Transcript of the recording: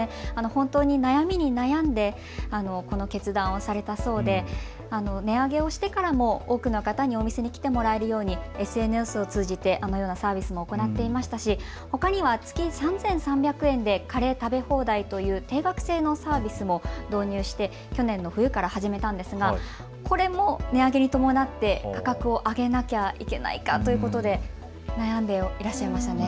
本当に悩みに悩んでこの決断をされたそうで値上げをしてからも多くの方にお店に来てもらえるようにＳＮＳを通じてあのようなサービスを行っていましたしほかには月３３００円でカレー食べ放題という定額制のサービスも導入して去年の冬から始めたんですがこれも値上げに伴って価格を上げなきゃいけないかということで悩んでいらっしゃいましたね。